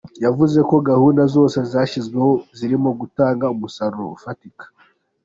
Yavuze ko gahunda zose zashyizweho zirimo gutanga umusaruro ufatika.